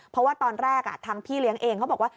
เพราะว่าตอนแรกทางพี่เลี้ยงเองเขาบอกว่า